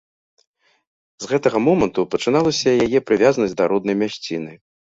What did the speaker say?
З гэтага моманту пачыналася яе прывязанасць да роднай мясціны.